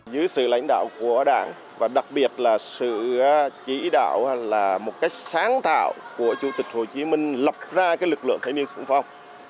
dưới sự lãnh đạo của đảng và đặc biệt là sự chỉ đạo là một cách sáng tạo của chủ tịch hồ chí minh lập ra lực lượng thanh niên sung phong